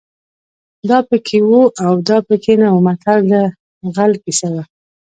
دا پکې وو او دا پکې نه وو متل د غل کیسه ده